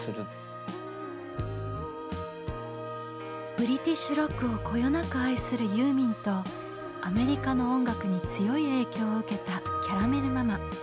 ブリティッシュロックをこよなく愛するユーミンとアメリカの音楽に強い影響を受けたキャラメル・ママ。